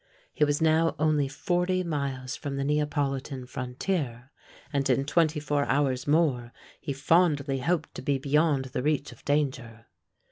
He was now only forty miles from the Neapolitan frontier; and in twenty four hours more he fondly hoped to be beyond the reach of danger.